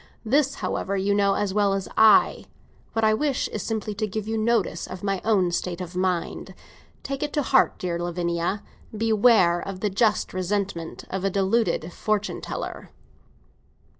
This, however, you know as well as I. What I wish is simply to give you notice of my own state of mind! Take it to heart, dear Lavinia. Beware of the just resentment of a deluded fortune hunter!"